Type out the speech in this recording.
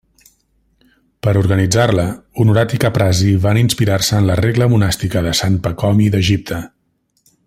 Per organitzar-la, Honorat i Caprasi van inspirar-se en la regla monàstica de sant Pacomi d'Egipte.